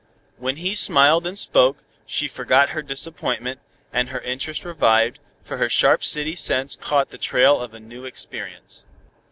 When he smiled and spoke she forgot her disappointment, and her interest revived, for her sharp city sense caught the trail of a new experience.